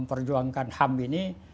memperjuangkan ham ini